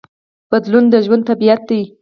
بدلون د ژوند طبیعت دی.